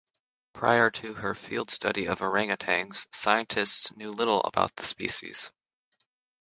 Prior to her field study of orangutans, scientists knew little about the species.